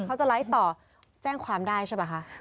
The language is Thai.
เขาจะไลฟ์ต่อแจ้งความได้ใช่ป่ะคะ